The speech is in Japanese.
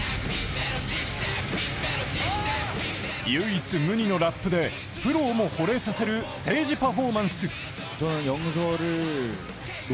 唯一無二のラップでプロをもほれさせるステージパフォーマンス。